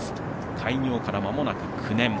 開業からまもなく９年。